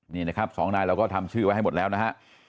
นี่นะครับสองนายเราก็ทำชื่อไว้ให้หมดแล้วนะฮะ